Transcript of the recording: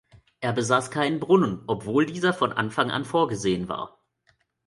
Er besaß keinen Brunnen, obwohl dieser von Anfang an vorgesehen war.